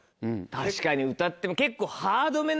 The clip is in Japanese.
確かに歌って結構ハードめな。